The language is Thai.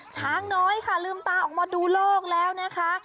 ช้างน้อยค่ะลืมตาออกมาดูโลกแล้วนะคะ